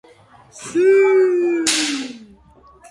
შეადგინა სიკაშკაშის სპექტრული კოეფიციენტის კატალოგი და ატლასი.